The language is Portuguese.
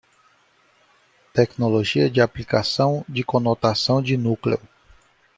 Tecnologia de aplicação de conotação de núcleo